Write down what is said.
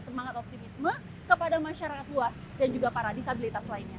semangat optimisme kepada masyarakat luas dan juga para disabilitas lainnya